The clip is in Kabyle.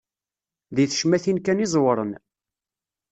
Di tecmatin kan i ẓewren.